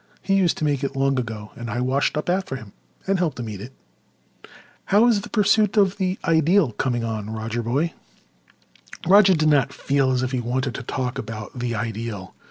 He used to make it long ago, and I washed up after him and helped him eat it. How is the pursuit of the Ideal coming on, Roger boy?" Roger did not feel as if he wanted to talk about the Ideal.